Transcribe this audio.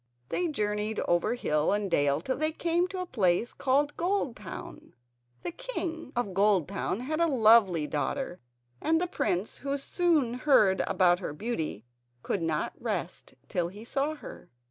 They journeyed over hill and dale till they came to a place called Goldtown. The King of Goldtown had a lovely daughter, and the prince, who soon heard about her beauty, could not rest till he saw her.